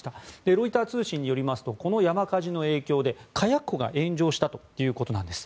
ロイター通信によりますとこの山火事の影響で火薬庫が炎上したということなんです。